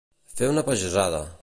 Fer una pagesada.